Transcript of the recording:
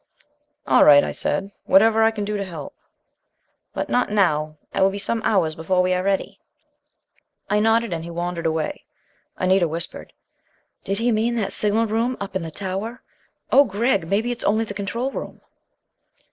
"All right," I said. "Whatever I can do to help...." "But not now. It will be some hours before we are ready." I nodded, and he wandered away. Anita whispered: "Did he mean that signal room up in the tower? Oh Gregg, maybe it's only the control room."